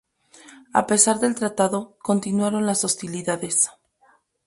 A pesar del tratado, continuaron las hostilidades.